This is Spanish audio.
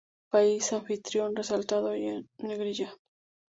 País anfitrión resaltado y en negrilla.